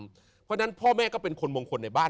เพราะฉะนั้นพ่อแม่ก็เป็นคนมงคลในบ้าน